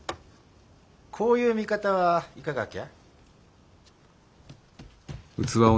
こういう見方はいかがきゃ？